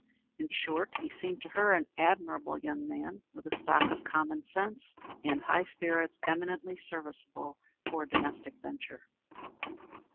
In short, he seemed to her an admirable young man, with a stock of common sense and high spirits eminently serviceable for a domestic venture.